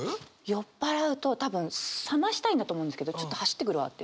酔っ払うと多分さましたいんだと思うんですけどちょっと走ってくるわって言って。